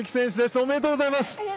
おめでとうございます。